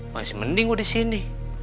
masih mending gue disini